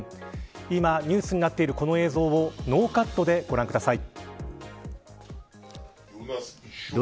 今ニュースになっているこの映像をノーカットでご覧ください。